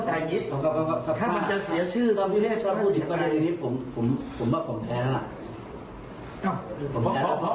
พออบอกว่าเขาอาหารมีคุณภาพ